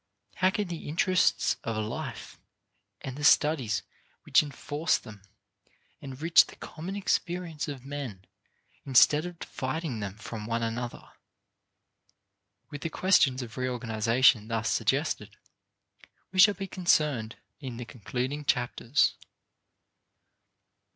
How can the interests of life and the studies which enforce them enrich the common experience of men instead of dividing men from one another? With the questions of reorganization thus suggested, we shall be concerned in the concluding chapters.